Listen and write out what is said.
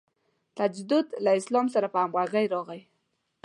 تجدد له اسلام سره په همغږۍ راغی.